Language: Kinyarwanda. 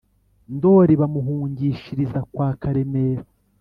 ndoli bamuhungishiriza kwa karemera